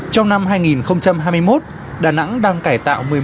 trong năm hai nghìn hai mươi một đà nẵng đang cải tạo